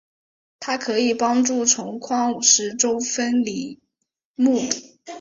它可用于帮助从矿石中分离钼。